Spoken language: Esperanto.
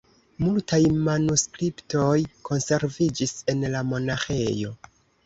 Multaj manuskriptoj konserviĝis en la monaĥejo.